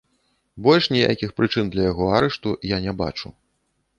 Больш ніякіх прычын для яго арышту я не бачу.